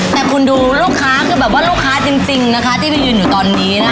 แต่คุณดูลูกค้าคือแบบว่าลูกค้าจริงนะคะที่ไปยืนอยู่ตอนนี้นะคะ